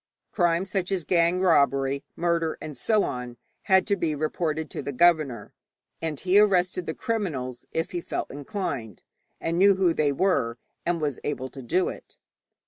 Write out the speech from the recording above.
Crime such as gang robbery, murder, and so on, had to be reported to the governor, and he arrested the criminals if he felt inclined, and knew who they were, and was able to do it.